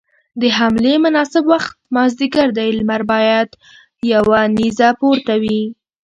د حملې مناسب وخت مازديګر دی، لمر بايد يوه نيزه پورته وي.